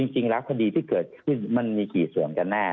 จริงแล้วคดีที่เกิดขึ้นมันมีกี่ส่วนกันแน่